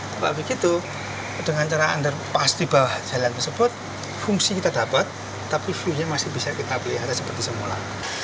sebab begitu dengan cara underpass di bawah jalan tersebut fungsi kita dapat tapi view nya masih bisa kita pelihara seperti semula